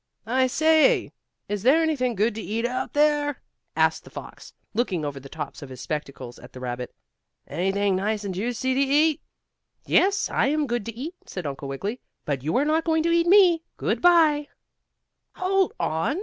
"I say, is there anything good to eat out there?" asked the fox, looking over the tops of his spectacles at the rabbit. "Anything nice and juicy to eat?" "Yes, I am good to eat," said Uncle Wiggily, "but you are not going to eat me. Good by!" "Hold on!"